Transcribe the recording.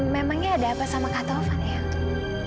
memangnya ada apa sama kak taufan ya